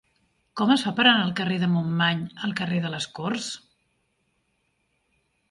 Com es fa per anar del carrer de Montmany al carrer de les Corts?